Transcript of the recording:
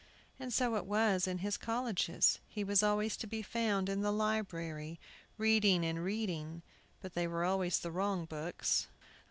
And so it was in his colleges; he was always to be found in the library, reading and reading. But they were always the wrong books.